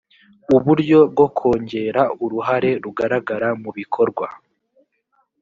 uburyo bwo kongera uruhare rugaragara mu bikorwa